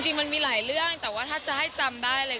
จริงมันมีหลายเรื่องแต่ว่าถ้าจะให้จำได้เลย